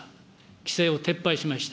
規制を撤廃しました。